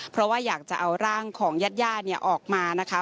เพราะว่าอยากจะเอาร่างของญาติญาติเนี่ยออกมานะคะ